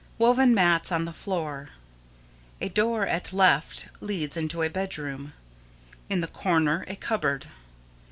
Woven mats on the floor. A door at left leads into a bedroom. In the corner a cupboard.